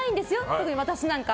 特に私なんか。